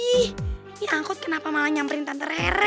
ih yang kot kenapa malah nyamperin tante rere